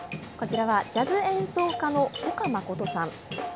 こちらはジャズ演奏家の岡淳さん。